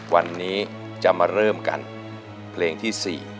วันนี้จะมาเริ่มกันเพลงที่๔